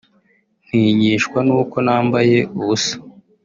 ntinyishwa n’uko nambaye ubusa